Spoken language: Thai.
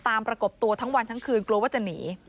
ประกบตัวทั้งวันทั้งคืนกลัวว่าจะหนี